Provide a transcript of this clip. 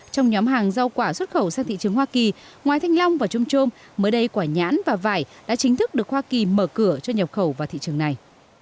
trong nhóm hàng rau quả xuất khẩu sang thị trường hoa kỳ ngoài thanh long và trôm trôm mới đây quả nhãn và vải đã chính thức được hoa kỳ mở cửa cho nhập khẩu vào thị trường này